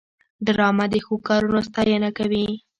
ډرامه د ښو کارونو ستاینه کوي